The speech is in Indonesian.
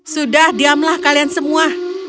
sudah diamlah kalian semua